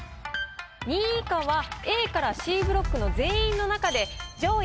２位以下はＡからＣブロックの全員の中で上位４句に入った方が